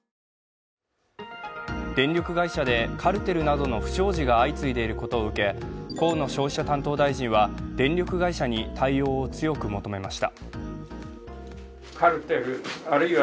電力会社でカルテルなどの不祥事が相次いでいることを受け河野消費者担当大臣は電力会社に対応を強く求めました。